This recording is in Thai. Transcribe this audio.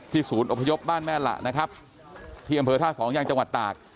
ศูนย์อพยพบ้านแม่หละนะครับที่อำเภอท่าสองยังจังหวัดตาก